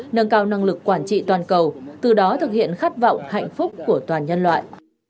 nâng cao năng lực quản trị toàn cầu từ đó thực hiện khát vọng hạnh phúc của toàn nhân loại